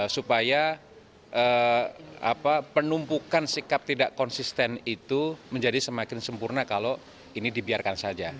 supaya penumpukan sikap tidak konsisten itu menjadi semakin sempurna kalau ini dibiarkan saja